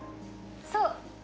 そう！